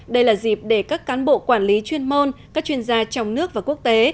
đây là dịp để các cán bộ quản lý chuyên môn các chuyên gia trong nước và quốc tế